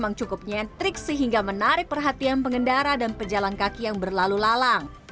memang cukup nyentrik sehingga menarik perhatian pengendara dan pejalan kaki yang berlalu lalang